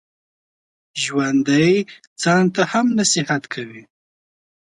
ژوندي ځان ته هم نصیحت کوي